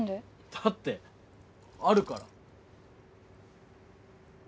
だってあるから。